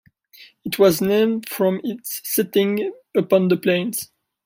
It was named from its setting upon the plains.